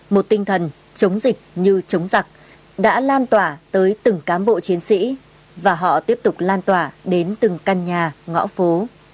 một tinh thần chống dịch như chống giặc đã lan tỏa tới từng cám bộ chiến sĩ và họ tiếp tục lan tỏa đến từng căn nhà ngõ phố